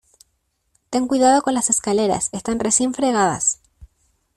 Ten cuidado con las escaleras, están recién fregadas.